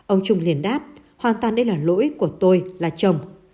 ông trung liền đáp hoàn toàn đây là lỗi của tôi là chồng